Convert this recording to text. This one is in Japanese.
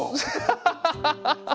ハハハハ！